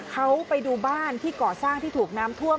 เขาไปดูบ้านที่ก่อสร้างที่ถูกน้ำท่วม